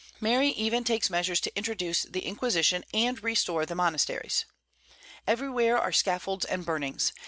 Mary even takes measures to introduce the Inquisition and restore the monasteries. Everywhere are scaffolds and burnings.